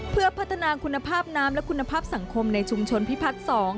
เพื่อพัฒนาคุณภาพน้ำและคุณภาพสังคมในชุมชนพิพัฒน์๒